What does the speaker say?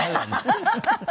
ハハハハ。